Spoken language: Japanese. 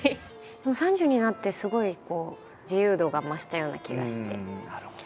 でも３０になってすごいこう自由度が増したような気がして。